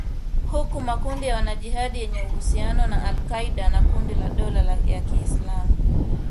huku makundi ya wanajihadi yenye uhusiano na al Qaeda na kundi la dola ya Kiislamu